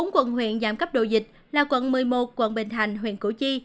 bốn quận huyện giảm cấp độ dịch là quận một mươi một quận bình thành huyện củ chi